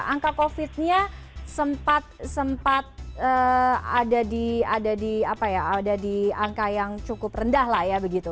angka covid nya sempat ada di angka yang cukup rendah lah ya begitu